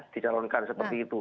dijalankan seperti itu